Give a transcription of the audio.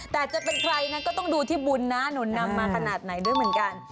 แต่จะเป็นใครนั้นก็ต้องดูที่บุญนะหนุนนำมาขนาดไหนด้วยเหมือนกัน